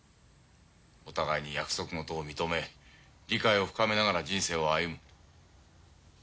お互いに約束事を認め理解を深めながら人生を歩む。